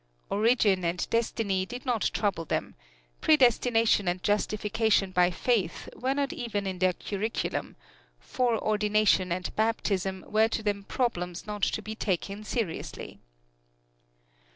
Origin and destiny did not trouble them; predestination and justification by faith were not even in their curriculum; foreordination and baptism were to them problems not to be taken seriously.